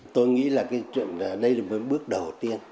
tôi nghĩ là cái chuyện đây là một bước đầu tiên